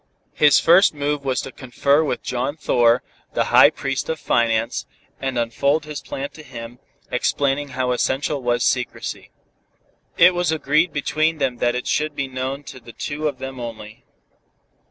His first move was to confer with John Thor, the high priest of finance, and unfold his plan to him, explaining how essential was secrecy. It was agreed between them that it should be known to the two of them only.